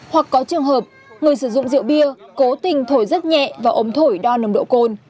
hoặc có trường hợp người sử dụng rượu bia cố tình thổi rất nhẹ và ống thổi đo nồng độ cồn